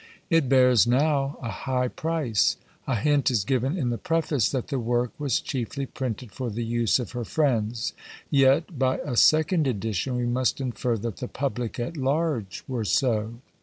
It bears now a high price. A hint is given in the preface that the work was chiefly printed for the use of her friends; yet, by a second edition, we must infer that the public at large were so.